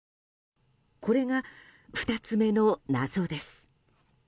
これが２つ目の謎です。